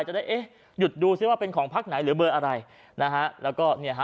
จะได้เอ๊ะหยุดดูซิว่าเป็นของพักไหนหรือเบอร์อะไรนะฮะแล้วก็เนี่ยฮะ